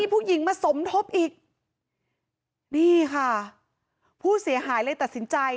ผู้หญิงมาสมทบอีกนี่ค่ะผู้เสียหายเลยตัดสินใจ